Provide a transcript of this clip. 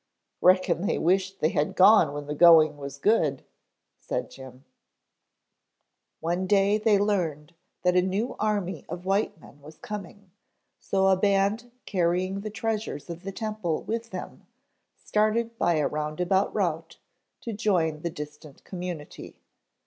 "Reckon they wished they had gone when the going was good," said Jim. "One day they learned that a new army of white men was coming, so a band carrying the treasures of the temple with them started by a roundabout route to join the distant community.